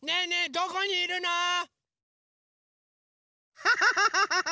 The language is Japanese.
どこにいるの？ハハハハハハ！